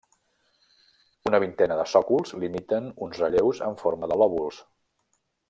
Una vintena de sòcols limiten uns relleus en forma de lòbuls.